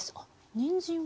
にんじんは？